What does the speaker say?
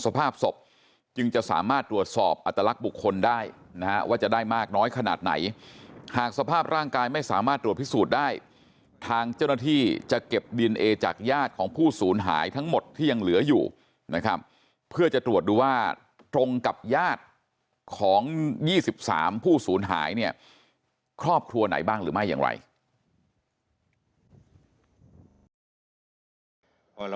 สภาพศพจึงจะสามารถตรวจสอบอัตลักษณ์บุคคลได้นะฮะว่าจะได้มากน้อยขนาดไหนหากสภาพร่างกายไม่สามารถตรวจพิสูจน์ได้ทางเจ้าหน้าที่จะเก็บดีเอนเอจากญาติของผู้สูญหายทั้งหมดที่ยังเหลืออยู่นะครับเพื่อจะตรวจดูว่าตรงกับญาติของ๒๓ผู้ศูนย์หายเนี่ยครอบครัวไหนบ้างหรือไม่อย่างไร